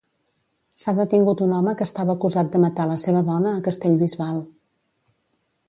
S'ha detingut un home que estava acusat de matar la seva dona a Castellbisbal.